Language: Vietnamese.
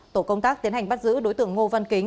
tổ công tác tiến hành bắt giữ đối tượng ngô văn kính